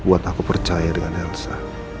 buat aku percaya dengan elsa